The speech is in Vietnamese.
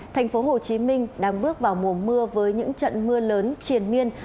thành phố hồ chí minh đang bước vào mùa mưa với những trận mưa lớn triển miên